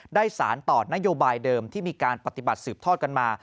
สารต่อนโยบายเดิมที่มีการปฏิบัติสืบทอดกันมา